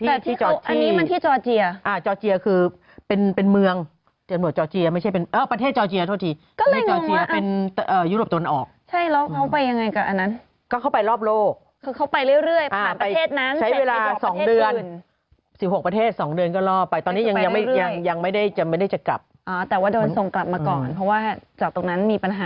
ส่งกลับมาก่อนเพราะว่าจากตรงนั้นมีปัญหา